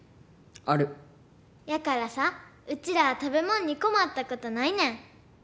やからさうちらは食べもんにこまったことないねん。